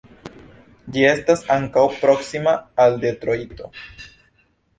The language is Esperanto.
Ĝi estas ankaŭ proksima al Detrojto.